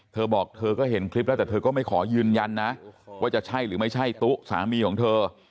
เธอบอกเธอก็เห็นคลิปแล้วแต่เธอก็ไม่ขอยืนยันนะว่าจะใช่หรือไม่ใช่ตุ๊สามีของเธอ